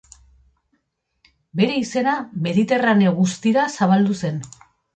Bere izena Mediterraneo guztira zabaldu zen.